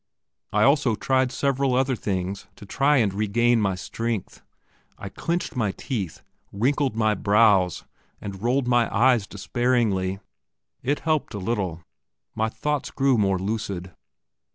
I also tried several other things to try and regain my strength: I clenched my teeth, wrinkled my brows, and rolled my eyes despairingly; it helped a little. My thoughts grew more lucid.